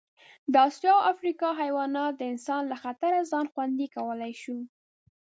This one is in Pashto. د اسیا او افریقا حیواناتو د انسان له خطره ځان خوندي کولی شو.